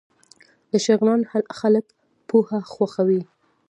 د شغنان خلک پوهه خوښوي